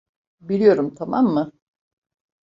Biliyorum, tamam mı?